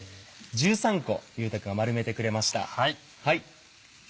１３個結太くんが丸めてくれました。